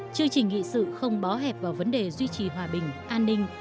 chương trình nghị sự không bó hẹp vào vấn đề duy trì hòa bình an ninh